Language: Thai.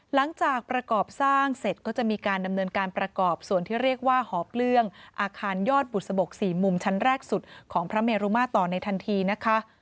หลังจากประกอบสร้างเสร็จก็จะมีการดำเนินการประกอบส่วนที่เรียกว่าหอเปลื้องอาคารยอดบุษบก๔มุมชั้นแรกสุดของพระเมรุมาตรต่อในทันทีนะคะ